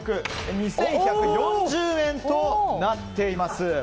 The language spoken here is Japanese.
２１４０円となっています。